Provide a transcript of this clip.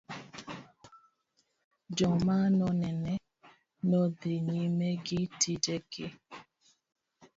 jok ma nonene nodhi nyime gi tije gi